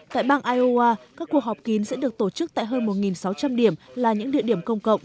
tại bang iowa các cuộc họp kín sẽ được tổ chức tại hơn một sáu trăm linh điểm là những địa điểm công cộng